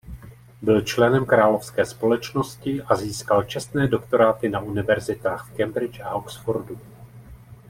Byl členem Královské společnosti a získal čestné doktoráty na univerzitách v Cambridge a Oxfordu.